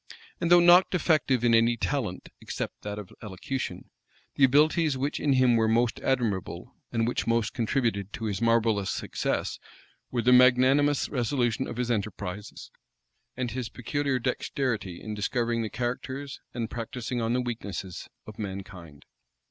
And though not defective in any talent, except that of elocution, the abilities which in him were most admirable, and which most contributed to his marvellous success, were the magnanimous resolution of his enterprises, and his peculiar dexterity in discovering the characters, and practising on the weaknesses, of mankind.